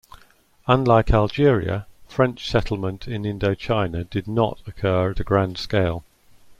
Unlike Algeria, French settlement in Indochina did not occur at a grand scale.